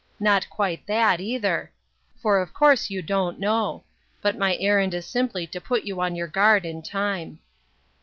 Not quite that, either ; for of course you don't know ; but my errand is simply to put you on your guard in time."